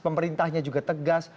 pemerintahnya juga tegas